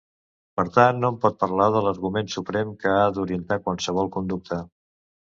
Per tant, hom pot parlar de l'argument suprem que ha d'orientar qualsevol conducta.